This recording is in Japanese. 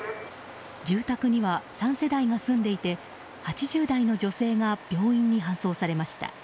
住宅には３世代が住んでいて８０代の女性が病院に搬送されました。